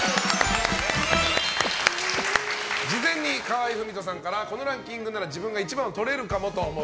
事前に河合郁人さんからこのランキングなら自分が１番をとれるかもと思う